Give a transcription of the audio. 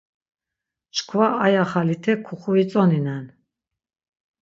Çkva aya xalite kuxuitzoninen.